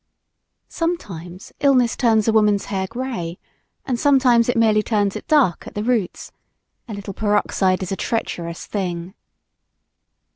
Sometimes illness turns a woman's hair gray, and sometimes it merely turns it dark at the roots. A little peroxide is a treacherous thing!